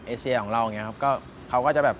เซียของเราอย่างเงี้ครับก็เขาก็จะแบบ